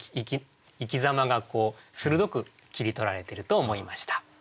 生きざまが鋭く切り取られてると思いました。